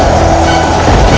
itu udah gila